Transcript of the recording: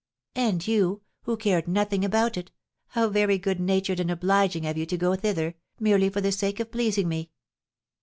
"And you, who cared nothing about it, how very good natured and obliging of you to go thither, merely for the sake of pleasing me!"